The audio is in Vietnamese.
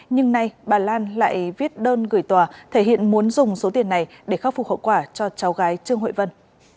nhưng nay bà lan lại viết đơn gửi tòa thể hiện muốn dùng số tiền này để khắc phục hậu quả cho cháu gái trương hội vân